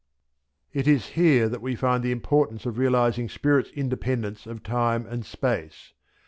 It is here that we find the importance of realizing spirit's independence of time and space.